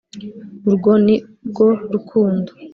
urwo ni rwo rukundo